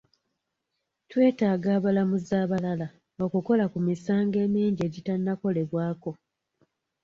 Twetaaga abalamuzi abalala okukola ku misango emingi egitannakolebwako.